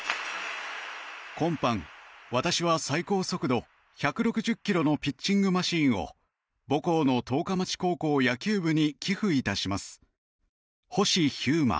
今般、私は最高速度１６０ｋｍのピッチングマシンを母校の十日町高校野球部に寄付いたします。